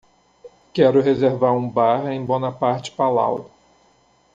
Quero reservar um bar em Bonaparte Palau.